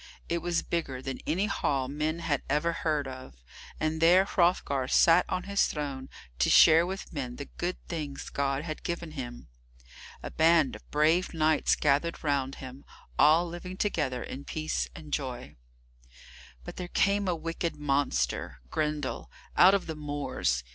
It was bigger than any hall men had ever heard of, and there Hrothgar sat on his throne to share with men the good things God had given him. A band of brave knights gathered round him, all living together in peace and joy. But there came a wicked monster, Grendel, out of the moors.